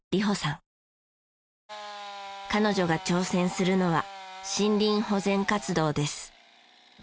彼女が挑戦するのは森林保全活動です。